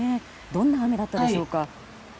どんな雨だったでしょうか。